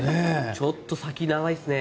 ちょっと先長いですね。